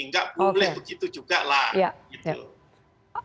nggak boleh begitu juga lah gitu